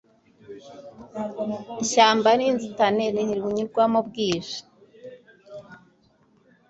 Ishyamba ry'inzitane ntiwarinyuramo bwije